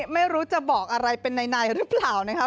ไม่รู้จะบอกอะไรเป็นในหรือเปล่านะคะ